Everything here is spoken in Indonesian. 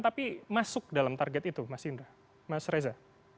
tapi masuk dalam target itu mas indra mas reza